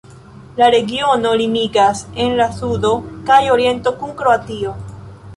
La regiono limigas en la sudo kaj oriento kun Kroatio.